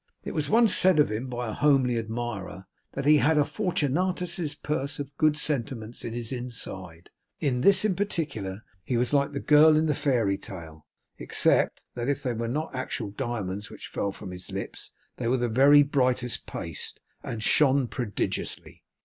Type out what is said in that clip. It was once said of him by a homely admirer, that he had a Fortunatus's purse of good sentiments in his inside. In this particular he was like the girl in the fairy tale, except that if they were not actual diamonds which fell from his lips, they were the very brightest paste, and shone prodigiously.